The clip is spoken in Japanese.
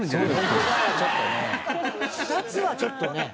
２つはちょっとね。